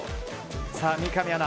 さあ、三上アナ。